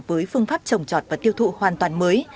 với phương pháp trồng trọt và tiêu thụ hoàn toàn mới